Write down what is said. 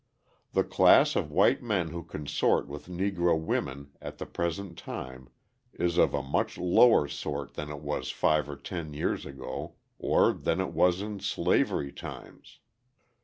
The class of white men who consort with Negro women at the present time is of a much lower sort than it was five or ten years ago, or than it was in slavery times.